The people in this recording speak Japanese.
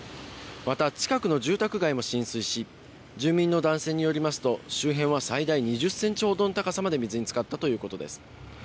また、近くの住宅街も浸水し、住民の男性によりますと、周辺は最大２０センチほどの高さまで水につかったということです。